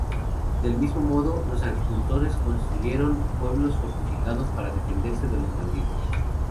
Del mismo modo, los agricultores construyeron pueblos fortificados para defenderse de los bandidos.